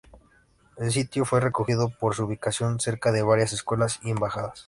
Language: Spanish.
El sitio fue escogido por su ubicación cerca de varias escuelas y embajadas.